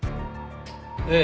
ええ。